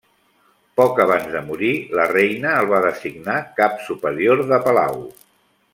Poc abans de morir, la Reina el va designar Cap Superior de Palau.